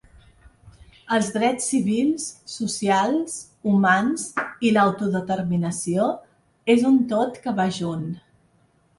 Els drets civils, socials, humans i l’autodeterminació és un tot que va junt.